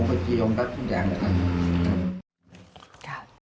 ผมก็จะยอมรับทุกอย่างละครับ